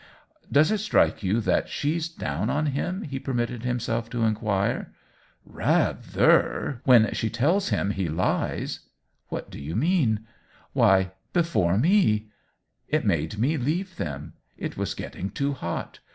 "Does it strike you that she^s down on him ?" he permitted himself to inquire. " Rather !— when she tells him he lies !"" What do you mean ?" "Why, before me. It made me leave them ; it was getting too hot.